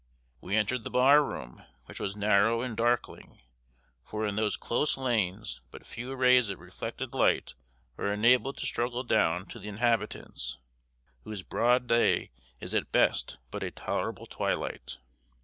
We entered the barroom, which was narrow and darkling, for in these close lanes but few rays of reflected light are enabled to struggle down to the inhabitants, whose broad day is at best but a tolerable twilight.